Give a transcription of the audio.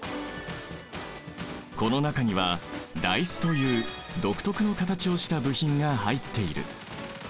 この中にはダイスという独特の形をした部品が入っている。